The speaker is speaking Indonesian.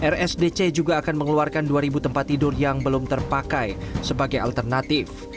rsdc juga akan mengeluarkan dua tempat tidur yang belum terpakai sebagai alternatif